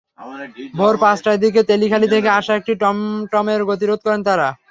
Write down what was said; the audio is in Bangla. ভোর পাঁচটার দিকে তেলিখালী থেকে আসা একটি টমটমের গতিরোধ করেন তাঁরা।